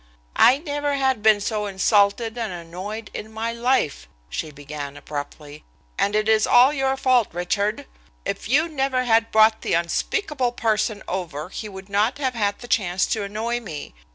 "I never have been so insulted and annoyed in my life," she began abruptly, "and it is all your fault, Richard. If you never had brought the unspeakable person over he would not have had the chance to annoy me.